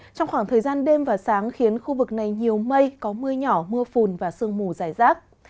trong khoảng thời gian đêm và sáng khiến khu vực này nhiều mây có mưa nhỏ mưa phùn và sương mù dài rác